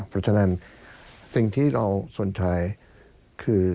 เพราะฉะนั้นสิ่งที่เราสนใจคือ